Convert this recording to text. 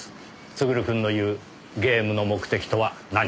優くんの言うゲームの目的とは何か。